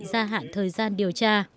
gia hạn thời gian điều tra